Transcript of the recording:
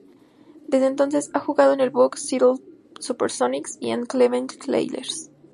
Desde entonces, ha jugado en los Bucks, Seattle SuperSonics y en Cleveland Cavaliers.